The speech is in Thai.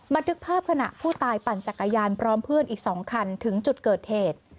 บันทึกภาพขณะผู้ตายปั่นจักรยานพร้อมเพื่อนอีก๒คันถึงจุดเกิดเหตุ